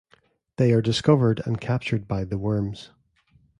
They are discovered and captured by the worms.